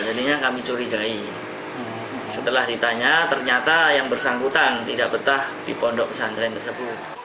jadinya kami curigai setelah ditanya ternyata yang bersangkutan tidak betah di pondok pesantren tersebut